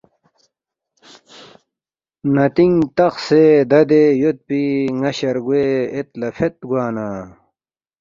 ناتینگ تخسے دادے یودپی نا شرگوے اید لا فید گوانا